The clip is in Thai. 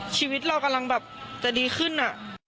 ชีวิตเรากำลังแบบจะดีขึ้น